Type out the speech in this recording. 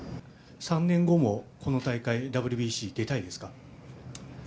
３年後もこの大会、出たいですね。